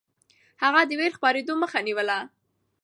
هغه د وېرو خپرېدو مخه نيوله.